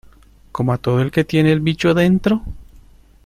como a todo el que tiene el bicho dentro.